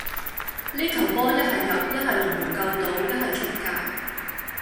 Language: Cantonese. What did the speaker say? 呢球波一係入,一係龍門救到,一係出界.